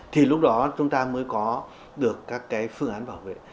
thì lúc đó chúng ta mới có được các cái phương án bảo vệ